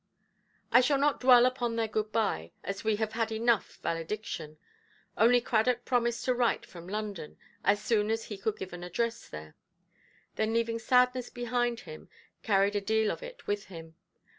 I shall not dwell upon their good–bye, as we have had enough valediction; only Cradock promised to write from London, so soon as he could give an address there; then leaving sadness behind him, carried a deal of it with him.